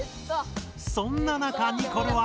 そんな中ニコルは。